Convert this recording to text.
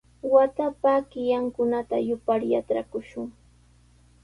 Watapa killankunata yupar yatrakushun.